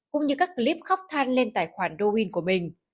cũng như các clip khóc than lên tài khoản dowine của mình